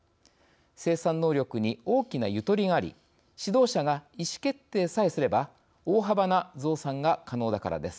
生産能力に大きなゆとりがあり指導者が意思決定さえすれば大幅な増産が可能だからです。